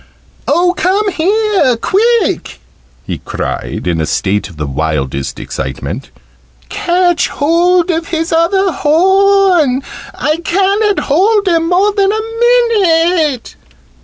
"Oh, come here quick!" he cried, in a state of the wildest excitement. "Catch hold of his other horn! I ca'n't hold him more than a minute!"